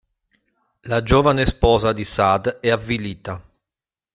La giovane sposa di Saad è avvilita.